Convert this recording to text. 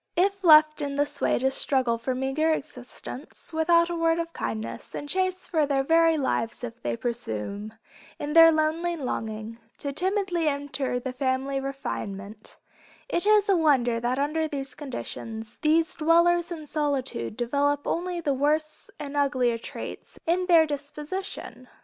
If left in this way to struggle for a meager existence, without a word of kindness, and chased for their very lives if they presume, in their lonely longing, to timidly enter the family refinement, is it a wonder that under these conditions, these dwellers in solitude develop only the worse and uglier traits in their disposition?